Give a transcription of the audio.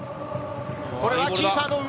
これはキーパーの上！